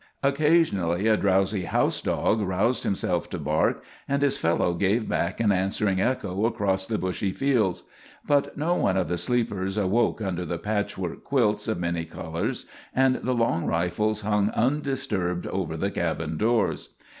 Occasionally a drowsy house dog roused himself to bark, and his fellow gave back an answering echo across the bushy fields; but no one of the sleepers awoke under the patchwork quilts of many colors, and the long rifles hung undisturbed over the cabin doors.